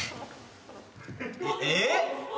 えっ？